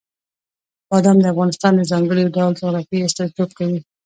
بادام د افغانستان د ځانګړي ډول جغرافیې استازیتوب کوي.